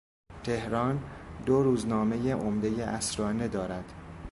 تهران دو روزنامهی عمدهی عصرانه دارد.